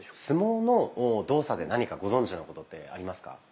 相撲の動作で何かご存じなことってありますか？